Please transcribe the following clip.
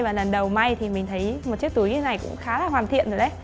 và lần đầu may thì mình thấy một chiếc túi như thế này cũng khá là hoàn thiện rồi đấy